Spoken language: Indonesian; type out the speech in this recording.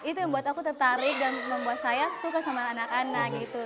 itu yang buat aku tertarik dan membuat saya suka sama anak anak gitu